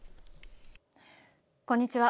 こんにちは。